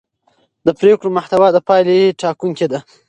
د پرېکړو محتوا د پایلې ټاکونکې ده